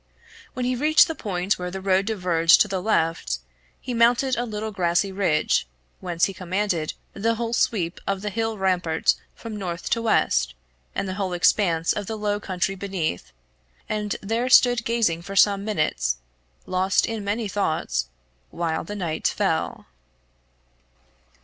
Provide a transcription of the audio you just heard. When he reached the point where the road diverged to the left, he mounted a little grassy ridge, whence he commanded the whole sweep of the hill rampart from north to west, and the whole expanse of the low country beneath, and there stood gazing for some minutes, lost in many thoughts, while the night fell.